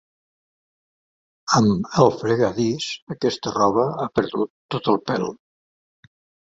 Amb el fregadís, aquesta roba ha perdut tot el pèl.